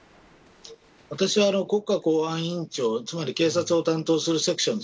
私は国家公安委員長つまり警察を担当するセクション